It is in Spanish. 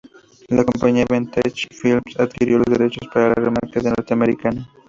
La compañía Vantage Films adquirió los derechos para la remake norteamericana.